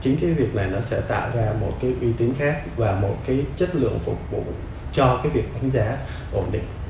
chính cái việc này nó sẽ tạo ra một cái uy tín khác và một cái chất lượng phục vụ cho cái việc đánh giá ổn định